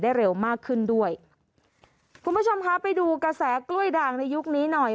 เร็วมากขึ้นด้วยคุณผู้ชมคะไปดูกระแสกล้วยด่างในยุคนี้หน่อย